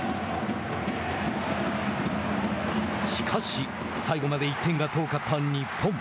しかし最後まで１点が遠かった日本。